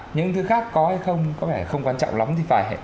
những thứ khác có hay không có vẻ không quan trọng lắm thì phải